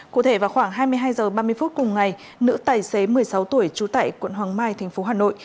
cụ thể vào khoảng hai mươi hai h ba mươi phút cùng ngày nữ tài xế một mươi sáu tuổi trú tại quận hoàng mai tp hà nội